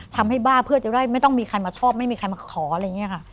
ทำให้บ้าเพื่อจะได้ไม่ต้องมีใครมาชอบไม่มีใครมาขออะไรอย่างนี้ค่ะ